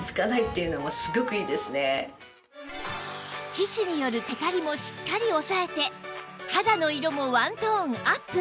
皮脂によるテカリもしっかり抑えて肌の色もワントーンアップ